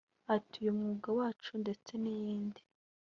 Ati “Uyu mwuga wacu ndetse n’iyindi